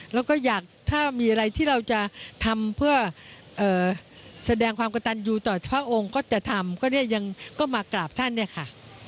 ร่ไหมแกงก้อมากลาบตานเนี่ยค่ะ